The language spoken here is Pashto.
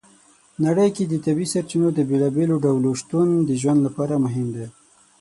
نړۍ کې د طبیعي سرچینو د بېلابېلو ډولو شتون د ژوند لپاره مهم دی.